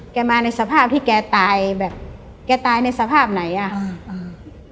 มาในสภาพที่แกตายแบบแกตายในสภาพไหนอ่ะอืมอืม